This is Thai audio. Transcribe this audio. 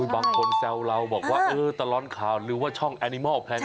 บางคนแซวเราบอกว่าเออตลอดข่าวหรือว่าช่องแอนิมอลแพง